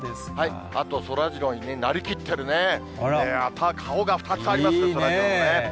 あとそらジローになりきってるね、顔が２つありますね、そらジローのね。